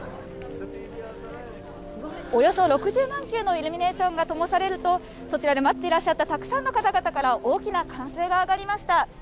およそ６０万球のイルミネーションがともされると、そちらで待っていらっしゃったたくさんの方々から、大きな歓声が上がりました。